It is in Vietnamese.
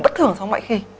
bất thường so với mọi khi